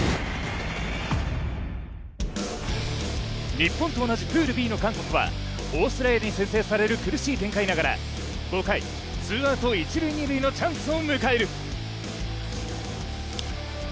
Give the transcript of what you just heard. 日本と同じプールＢの韓国はオーストラリアに先制される苦しい展開ながら５回、ツーアウト一塁・二塁のチャンスを迎える。